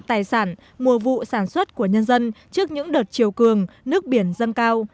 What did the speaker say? tài sản mùa vụ sản xuất của nhân dân trước những đợt chiều cường nước biển dâng cao